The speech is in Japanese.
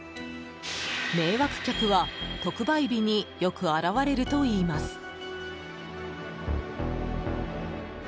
迷惑客は、特売日によく現れるといいます。